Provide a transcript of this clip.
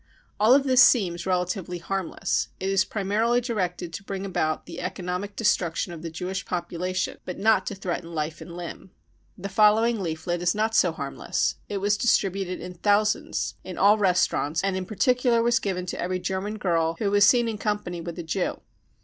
55 All of this seems relatively " harm less." It is primarily directed to bring about the economic destruction of the Jewish population, but not to threaten* 1 THE PERSECUTION OP JEWS 28l life and limb. The following leaflet is not so harmless ; it was distributed in thousands in all restaurants, and in particular was given to every German girl who was seen in company with a Jew.